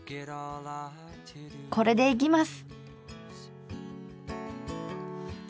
これでいきます！